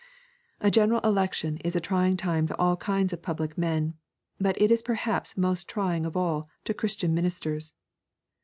A general election is a trying time to all kinds of public men, but it is perhaps most trying of all to Christian ministers.